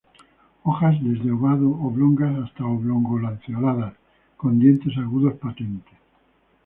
Hojas desde ovado-oblongas hasta oblongo-lanceoladas, con dientes agudos, patentes.